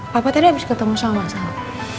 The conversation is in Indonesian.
papa tadi habis ketemu sama sama